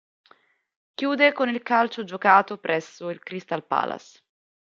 Chiude con il calcio giocato presso il Crystal Palace.